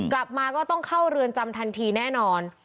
กลับมาก็ต้องเข้าเรือนจำทันทีแน่นอน